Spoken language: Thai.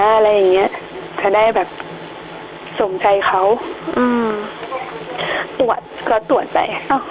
อะไรอย่างเงี้ยจะได้แบบสมใจเขาอืมตรวจก็ตรวจไป